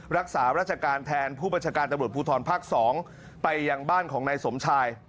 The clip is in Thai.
รักษาราชการแทนผู้บัญชกาตรพุทรพสไปอย่างบ้านของนายสมชาย